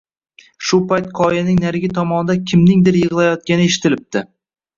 Shu payt qoyaning narigi tomonida kimningdir yig‘layotgani eshitilibdi